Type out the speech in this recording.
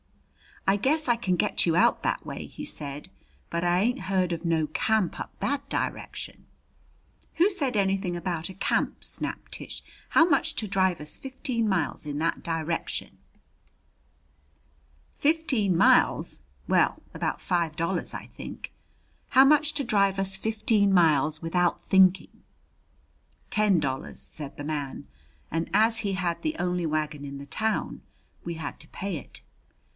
"I guess I can get you out that way," he said, "but I ain't heard of no camp up that direction." "Who said anything about a camp?" snapped Tish. "How much to drive us fifteen miles in that direction?" "Fifteen miles! Well, about five dollars, but I think " "How much to drive us fifteen miles without thinking?" "Ten dollars," said the man; and as he had the only wagon in the town we had to pay it.